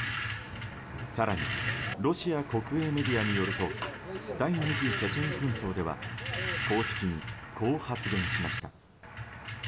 更にロシア国営メディアによると第２次チェチェン紛争では公式にこう発言しました。